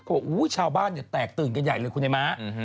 บอกชาวบ้านเนี่ยแตกตื่นกันใหญ่เลยคุณไอ้ม้า